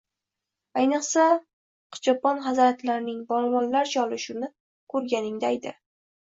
Ayniqsa, Oqchopon hazratlarining polvonlarcha olishuvini ko‘rganingdaydi!